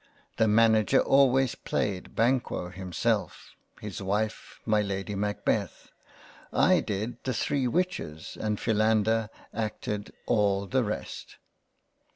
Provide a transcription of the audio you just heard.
The Manager always played Banquo him self, his Wife my Lady Macbeth. I did the Three Witches and Philander acted all the rest.